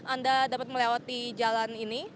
anda dapat melewati jalan ini